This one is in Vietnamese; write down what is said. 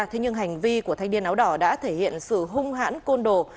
thế nhưng hành vi của thanh niên áo đỏ đã thể hiện sự hung hãn côn đồ